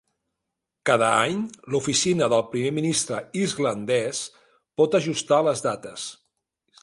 Cada any, l'oficina del primer ministre islandès pot ajustar les dates.